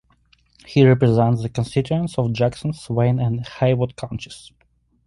He represents the constituents of Jackson, Swain and Haywood counties.